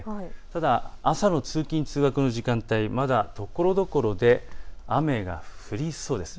ただ朝の通勤通学の時間帯、まだところどころで雨が降りそうです。